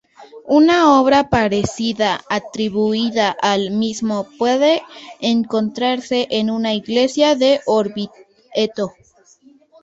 Una obra parecida atribuida al mismo puede encontrarse en una iglesia de Orvieto.